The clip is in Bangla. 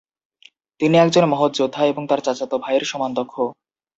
তিনি একজন মহৎ যোদ্ধা এবং তার চাচাতো ভাইয়ের সমান দক্ষ।